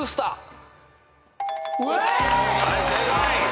はい正解。